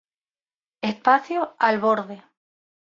Espacio Al Borde.